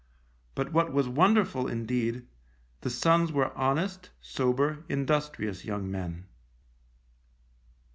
But what was wonderful indeed, the sons were honest, sober, industrious young men.